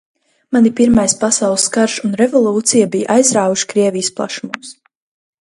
Mani pirmais pasaules karš un revolūcija bija aizrāvuši Krievijas plašumos.